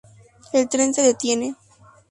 El tren se detiene.